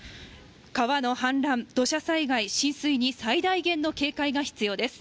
川の氾濫、土砂災害、浸水に最大限の警戒が必要です。